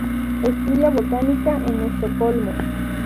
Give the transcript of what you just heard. Estudia botánica en Estocolmo.